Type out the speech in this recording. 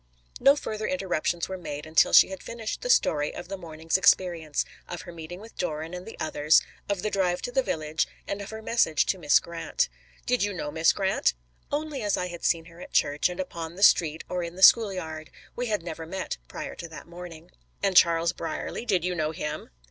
No further interruptions were made until she had finished the story of the morning's experience, of her meeting with Doran and the others, of the drive to the village, and of her message to Miss Grant. "Did you know Miss Grant?" "Only as I had seen her at church, and upon the street or in the school yard. We had never met, prior to that morning." "And Charles Brierly? Did you know him?"